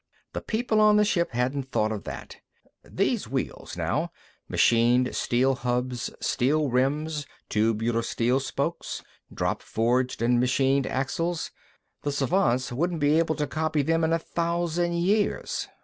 The people on the ship hadn't thought of that. These wheels, now; machined steel hubs, steel rims, tubular steel spokes, drop forged and machined axles. The Svants wouldn't be able to copy them in a thousand years.